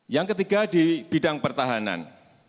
yang ketiga di bidang pertahanan